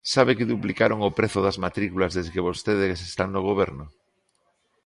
¿Sabe que duplicaron o prezo das matrículas desde que vostedes están no Goberno?